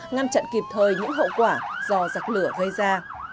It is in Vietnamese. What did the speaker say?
ngăn chặn kịp thời những hậu quả do giặc lửa gây ra